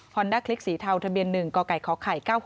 ฮอนดาคลิกสีเทาทะเบียนหนึ่งกไก่ขไข